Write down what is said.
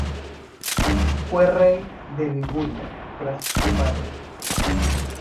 Fue rey de Liguria tras su padre.